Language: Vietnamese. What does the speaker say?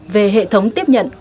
về hệ thống tiếp nhận